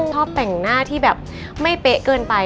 ชอบแต่งหน้าที่แบบไม่เป๊ะเกินไป